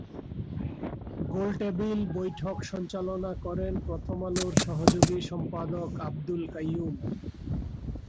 গোলটেবিল বৈঠক সঞ্চালনা করেন প্রথম আলোর সহযোগী সম্পাদক আব্দুল কাইয়ুম।